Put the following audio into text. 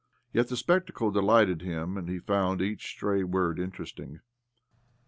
Yet the spec tacle delighted him, and he found each stray word interesting.